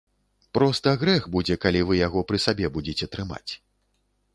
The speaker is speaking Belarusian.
Проста грэх будзе, калі вы яго пры сабе будзеце трымаць.